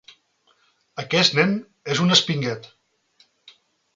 Aquest nen és un espinguet.